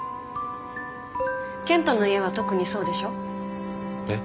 健人の家は特にそうでしょ？えっ？